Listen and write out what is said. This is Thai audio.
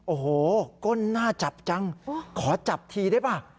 โอ้โหก้นหน้าจับจังขอจับทีได้ป่ะ